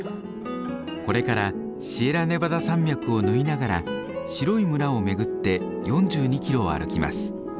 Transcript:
これからシエラネバダ山脈を縫いながら白い村を巡って４２キロを歩きます。